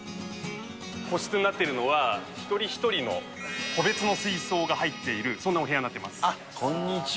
個室になってるのは、一人一人の個別の水槽が入っている、そんなお部屋になっておりまあっ、こんにちは。